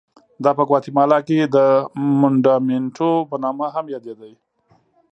دا په ګواتیمالا کې د منډامینټو په نامه هم یادېده.